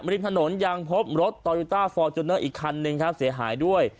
ริมถนนยังพบรถโตโยต้าฟอร์จูเนอร์อีกคันหนึ่งครับเสียหายด้วย